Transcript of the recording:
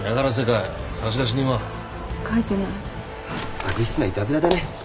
悪質ないたずらだね。